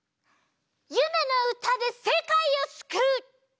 ゆめのうたでせかいをすくう！